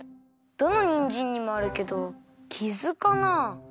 どのにんじんにもあるけどキズかなあ？